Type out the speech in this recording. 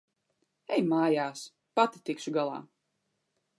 Ej mājās. Pati tikšu galā.